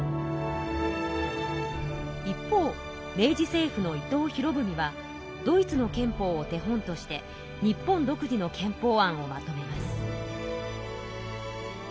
一方明治政府の伊藤博文はドイツの憲法を手本として日本独自の憲法案をまとめます。